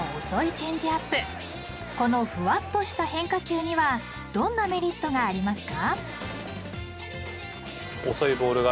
［このふわっとした変化球にはどんなメリットがありますか？］